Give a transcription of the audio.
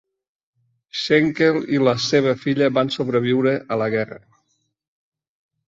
Schenkl i la seva filla van sobreviure a la guerra.